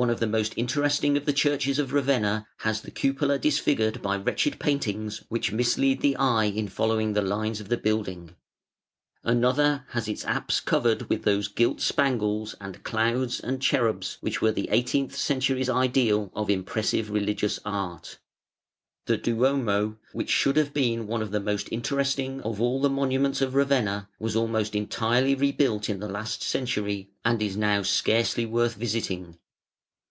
One of the most interesting of the churches of Ravenna has "the cupola disfigured by wretched paintings which mislead the eye in following the lines of the building". Another has its apse covered with those gilt spangles and clouds and cherubs which were the eighteenth century's ideal of impressive religious art. The Duomo, which should have been one of the mosf interesting of all the monuments of Ravenna, was almost entirely rebuilt in the last century, and is now scarcely worth visiting.